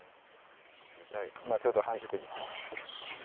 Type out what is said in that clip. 今ちょうど繁殖時期。